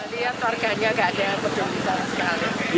lihat warganya nggak ada yang berdiri di sana sekali